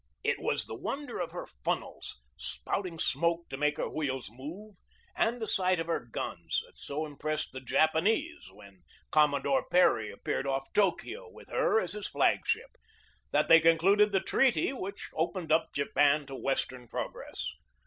It was the wonder of her funnels, spout 48 GEORGE DEWEY ing smoke to make her wheels move, and the sight of her guns that so impressed the Japanese, when Commodore Perry appeared off Tokio with her as his flag ship, that they concluded the treaty which opened up Japan to Western progress.